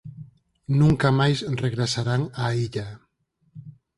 Nunca máis regresarán á illa.